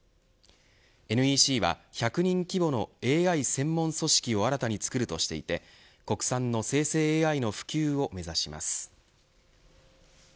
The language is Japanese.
ＮＥＣは、１００人規模のＡＩ専門組織を新たにつくるとしていて国産の生成ＡＩの普及を目指します。